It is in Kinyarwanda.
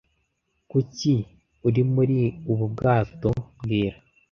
Kuki uri muri ubu bwato mbwira